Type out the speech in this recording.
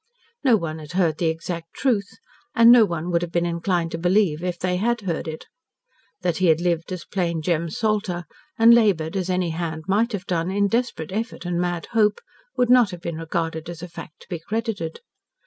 No one had heard the exact truth, and no one would have been inclined to believe if they had heard it. That he had lived as plain Jem Salter, and laboured as any hind might have done, in desperate effort and mad hope, would not have been regarded as a fact to be credited.